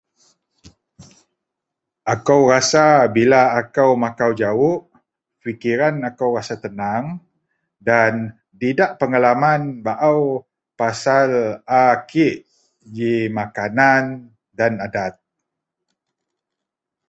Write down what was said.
Akou rasa bila akou makau jawuk, pikiran akou rasa tenang dan didak pengalaman baou pasel a kek ji makanan dan adat.